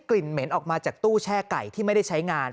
่นเหม็นออกมาจากตู้แช่ไก่ที่ไม่ได้ใช้งาน